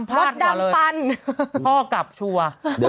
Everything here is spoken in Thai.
ออนไลน์ทายรัฐพราดหัวเลย